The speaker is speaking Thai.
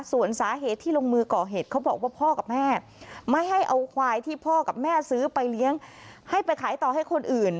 ส่วนสาเหตุที่ลงมือก่อเหตุเขาบอกว่าพ่อกับแม่ไม่ให้เอาควายที่พ่อกับแม่ซื้อไปเลี้ยงให้ไปขายต่อให้คนอื่น